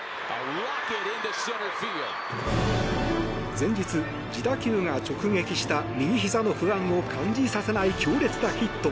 前日、自打球が直撃した右ひざの不安を感じさせない強烈なヒット。